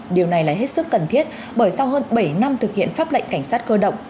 điều này là hết sức cần thiết bởi sau hơn bảy năm thực hiện pháp lệnh cảnh sát cơ động